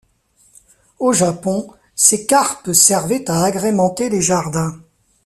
Au Japon, ces carpes servaient à agrémenter les jardins.